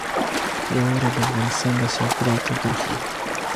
واوره د افغانستان د صادراتو برخه ده.